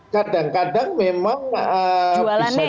kadang kadang memang bisa